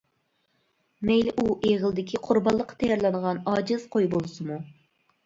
مەيلى ئۇ ئېغىلدىكى قۇربانلىققا تەييارلانغان ئاجىز قوي بولسىمۇ.